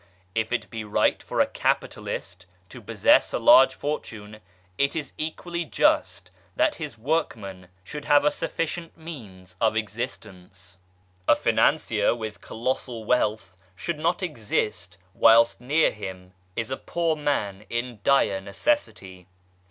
If it be right for a Capitalist to possess a large fortune, it is equally just that his workman should have a sufficient means of existence. A Financier with colossal wealth should not exist whilst near him is a poor man in dire necessity.